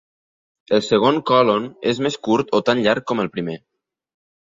El segon còlon és més curt o tan llarg com el primer.